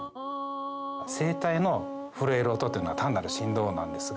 声帯の震える音っていうのは単なる振動音なんですが。